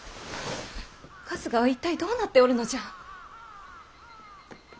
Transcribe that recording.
春日は一体どうなっておるのじゃ。